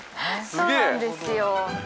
そうなんですよ。